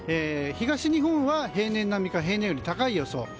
東日本は平年並みか平年より高い予想。